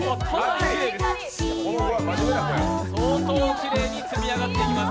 きれいに積み上がっていきます。